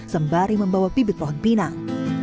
sembari membawa bibit pohon pinang